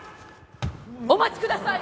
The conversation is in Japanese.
お待ちください！